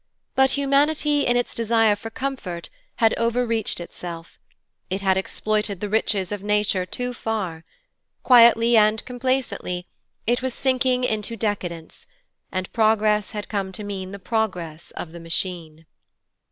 But Humanity, in its desire for comfort, had over reached itself. It had exploited the riches of nature too far. Quietly and complacently, it was sinking into decadence, and progress had come to mean the progress of the Machine.